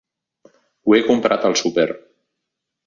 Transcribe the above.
Ho he comprat al súper.